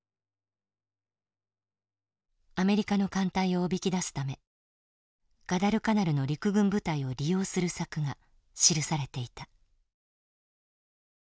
アメリカの艦隊をおびき出すためガダルカナルの陸軍部隊を利用する策が記されていた。